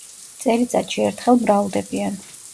წელიწადში ერთხელ მრავლდებიან.